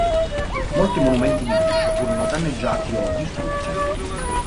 Molti monumenti biblici furono danneggiati o distrutti.